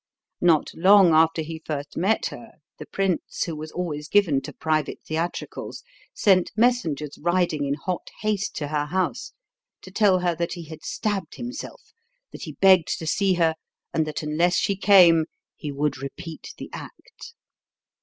Not long after he first met her the prince, who was always given to private theatricals, sent messengers riding in hot haste to her house to tell her that he had stabbed himself, that he begged to see her, and that unless she came he would repeat the act.